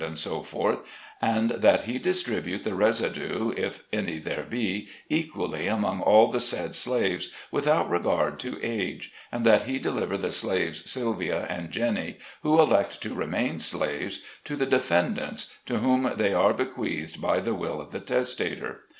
place selected, &c, and that he distribute the resi due, if any there be, equally among all the said slaves, without regard to age, and that he deliver the slaves Sylvia and Jenny, who elect to remain slaves, to the defendants, to whom they are bequeathed by the Will of the Testator.